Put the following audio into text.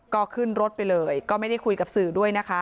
ก็ขึ้นรถไปเลยก็ไม่ได้คุยกับสื่อด้วยนะคะ